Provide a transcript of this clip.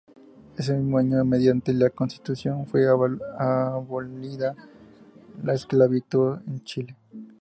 Ese mismo año, mediante la Constitución, fue abolida la esclavitud en Chile.